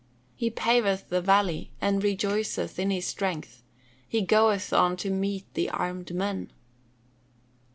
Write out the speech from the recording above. He paveth the valley, and rejoiceth in his strength: he goeth on to meet the armed men."